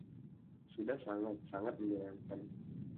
Sudah sangat, sangat menyenangkan.